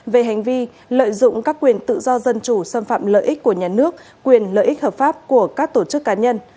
về hành vi lợi dụng các quyền tự do dân chủ xâm phạm lợi ích của nhà nước quyền lợi ích hợp pháp của các tổ chức cá nhân